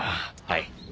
はい。